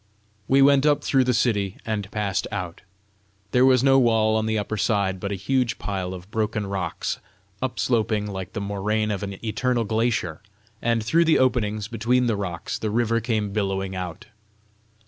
We went up through the city and passed out. There was no wall on the upper side, but a huge pile of broken rocks, upsloping like the moraine of an eternal glacier; and through the openings between the rocks, the river came billowing out.